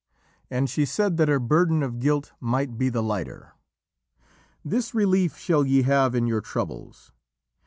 And she said, that her burden of guilt might be the lighter: "This relief shall ye have in your troubles.